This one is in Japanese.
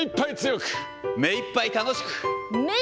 めいっぱい楽しく。